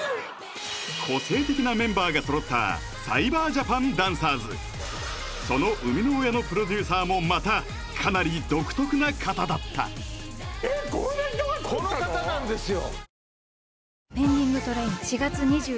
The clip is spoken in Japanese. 個性的なメンバーが揃ったサイバージャパンダンサーズその生みの親のプロデューサーもまたかなり独特な方だったこの方なんですよ